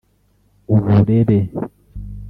uburere